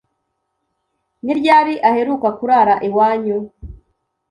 Ni ryari aheruka kurara iwanyu?